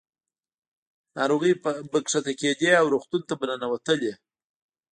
ناروغۍ به ښکته کېدې او روغتون ته به ننوتلې.